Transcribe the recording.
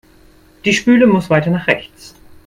Die Spüle muss weiter nach rechts.